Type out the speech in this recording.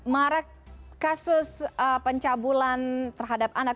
maret kasus pencabulan terhadap anak